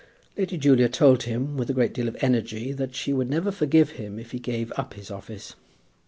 Lady Julia told him, with a great deal of energy, that she would never forgive him if he gave up his office.